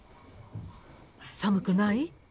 寒くない？